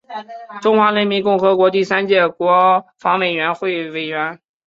中华人民共和国第三届国防委员会委员。